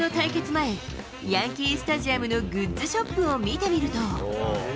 前、ヤンキースタジアムのグッズショップを見てみると。